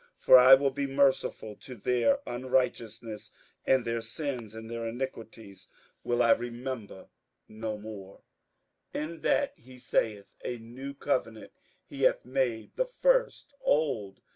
58:008:012 For I will be merciful to their unrighteousness, and their sins and their iniquities will I remember no more. 58:008:013 In that he saith, A new covenant, he hath made the first old.